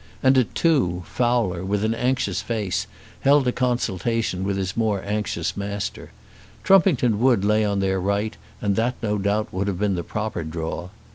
And at two, Fowler, with an anxious face, held a consultation with his more anxious Master. Trumpington Wood lay on their right, and that no doubt would have been the proper draw.